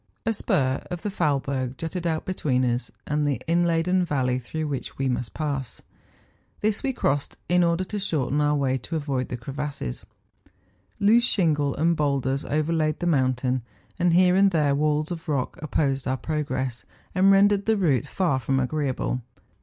A spur of the Faulberg jutted out between us and the inladen valley through which we must pass; this we crossed in order to shorten our way to avoid crevasses. Loose shingle and boulders overlaid the mountain; and here and there walls of rock opposed our progress, and rendered the route far from agreeable.